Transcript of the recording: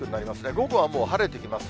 午後はもう晴れてきます。